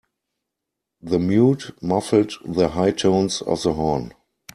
The mute muffled the high tones of the horn.